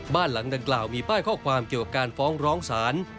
บ้านหลังดังกล่าวมีป้ายข้อความเกี่ยวกับการฟ้องร้องศาล